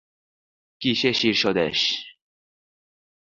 কিসে শীর্ষ দেশ?